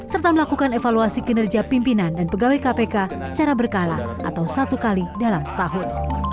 serta melakukan evaluasi kinerja pimpinan dan pegawai kpk secara berkala atau satu kali dalam setahun